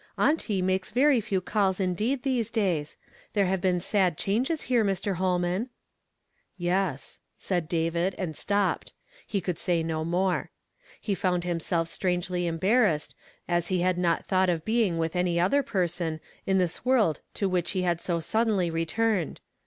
Auntie makes very few calls indeed in these days ; there have been sad changes here, Mr. Ilolman." " Yes," said David, and stopped ; he nould say no more. He found himself strangely embar rassed, as he had not thought of being with any other person, in this woi ld to which he had so sud denly returned.